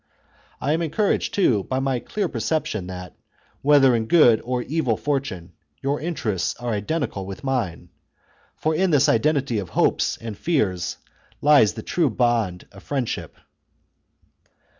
I am encouraged, too, by my clear per ception that, whether in good or evil fortune, your interests are identical with mine ; for in this iden tity of hopes and fears lies the true bond of friend ship.